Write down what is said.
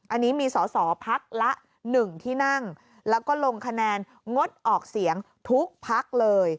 อันนี้มีสอสอพักละ๑ที่นั่งแล้วก็ลงคะแนนงดออกเสียงทุกพักเลย